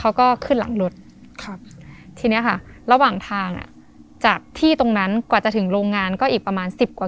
อะไรอย่างนี้เขาก็บอกว่า